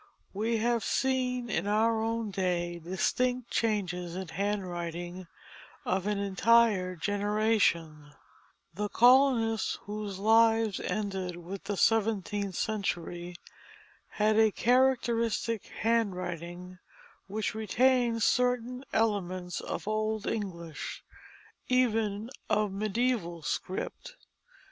We have seen in our own day distinct changes in the handwriting of an entire generation; the colonists whose lives ended with the seventeenth century had a characteristic handwriting which retained certain elements of old English, even of mediæval script.